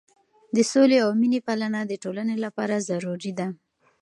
د سولې او مینې پالنه د ټولنې لپاره ضروري ده.